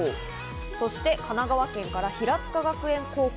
そして神奈川県から平塚学園高校。